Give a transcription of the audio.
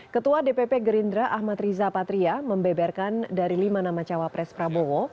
ketua dpp gerindra ahmad riza patria membeberkan dari lima nama cawapres prabowo